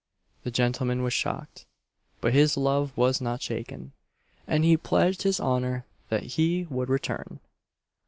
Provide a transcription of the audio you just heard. The gentleman was shocked; but his love was not shaken, and he pledged his honour that he would return.